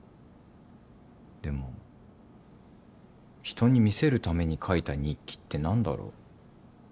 でも人に見せるために書いた日記って何だろう。